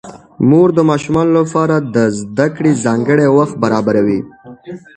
مور د ماشومانو لپاره د زده کړې ځانګړی وخت برابروي